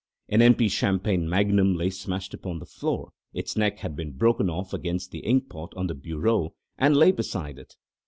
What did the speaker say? An empty champagne magnum lay smashed upon the floor; its neck had been broken off against the inkpot on the bureau and lay beside it.